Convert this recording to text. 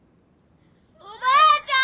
おばあちゃん！